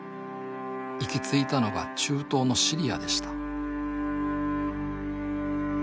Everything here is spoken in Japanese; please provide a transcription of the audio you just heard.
行き着いたのが中東のシリアでした